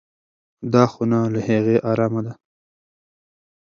دا خونه له هغې ارامه ده.